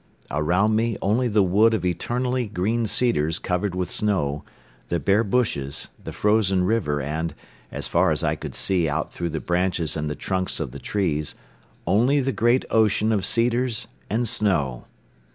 Around me only the wood of eternally green cedars covered with snow, the bare bushes, the frozen river and, as far as I could see out through the branches and the trunks of the trees, only the great ocean of cedars and snow.